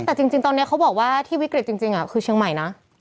แต่จริงตอนนี้เขาบอกว่าที่วิกฤตจริงคือเชียงใหม่นะ